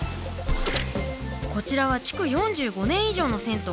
こちらは築４５年以上の銭湯。